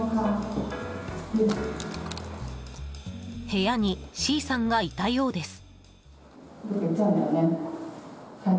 部屋にＣさんがいたようです。